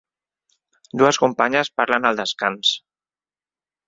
Dues companyes parlen al descans.